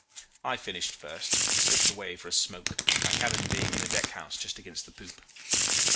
I finished first, and slipped away for a smoke, my cabin being in a deck house just against the poop.